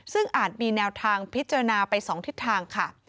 ซึ่งอาจมีแนวทางพิจารณาไป๒ทิศทางค่ะ